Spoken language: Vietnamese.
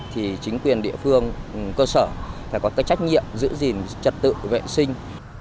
thì chính quyền địa phương cơ sở phải có cái trách nhiệm giữ gìn trật tự vệ sinh